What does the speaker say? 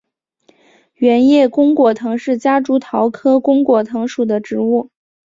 圆叶弓果藤是夹竹桃科弓果藤属的植物。